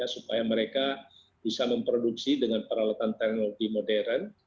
supaya mereka bisa memproduksi dengan peralatan teknologi modern